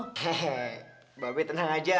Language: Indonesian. hehehe babe tenang aja